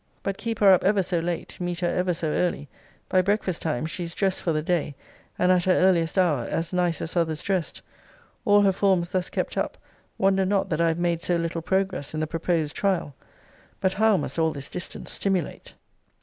But keep her up ever so late, meet her ever so early, by breakfast time she is dressed for the day, and at her earliest hour, as nice as others dressed. All her forms thus kept up, wonder not that I have made so little progress in the proposed trial. But how must all this distance stimulate!